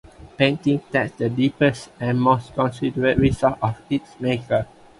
Painting taps the deepest and most considered resources of its maker.